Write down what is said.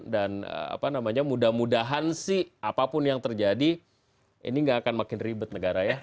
dan apa namanya mudah mudahan sih apapun yang terjadi ini gak akan makin ribet negara ya